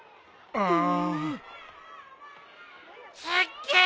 うん。